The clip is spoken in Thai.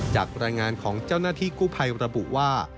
จากรายงานของเจ้าหน้าที่กู้ภัยระบุว่า